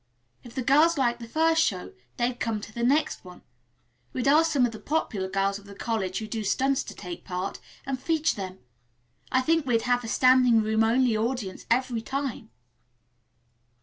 If the girls liked the first show, they'd come to the next one. We'd ask some of the popular girls of the college who do stunts to take part, and feature them. I think we'd have a standing room only audience every time."